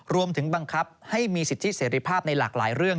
รวมถึงบังคับให้มีสิทธิเสรีภาพในหลากหลายเรื่อง